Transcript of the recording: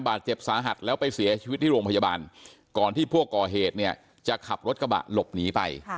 บาดเจ็บสาหัสแล้วไปเสียชีวิตที่โรงพยาบาลก่อนที่พวกก่อเหตุเนี่ยจะขับรถกระบะหลบหนีไป